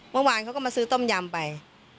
เมื่อวานเขาก็มาซื้อต้มยำไป